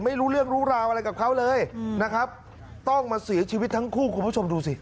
ไม่รู้เรื่องรู้ราวอะไรกับเขาเลยนะครับต้องมาเสียชีวิตทั้งคู่คุณผู้ชมดูสิ